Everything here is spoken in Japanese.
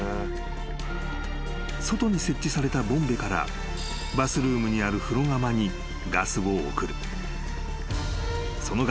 ［外に設置されたボンベからバスルームにある風呂釜にガスを送る］